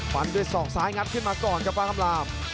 ฟันด้วยศอกซ้ายงัดขึ้นมาก่อนครับวางคำลาบ